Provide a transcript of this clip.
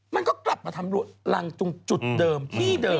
มันก็กลับมาทำรังตรงจุดเดิมที่เดิม